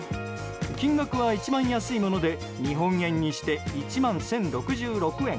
金額は一番安いもので日本円にして１万１０６６円。